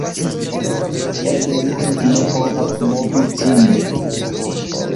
Eble li tute ne povas movi ĝin